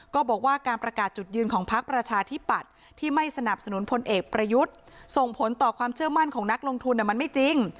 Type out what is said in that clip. ก็บอกว่าการประกาศจุดยืนของพักประชาธิปัตย์ที่ไม่สนับสนุนพลเอกประยุทธ์ส่งผลต่อความเชื่อมั่นของนักลงทุนมันไม่จริง